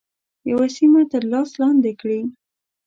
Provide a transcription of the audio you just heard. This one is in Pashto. یوه سیمه تر لاس لاندي کړي.